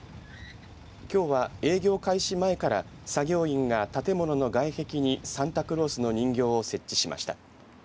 きょうは営業開始前から作業員が建物の外壁にサンタクロースの人形を設置しました。